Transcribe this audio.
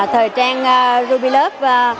thời trang ruby love